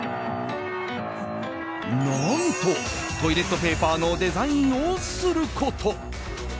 何と、トイレットペーパーのデザインをすること。